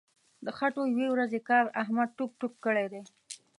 د خټو یوې ورځې کار احمد ټوک ټوک کړی دی.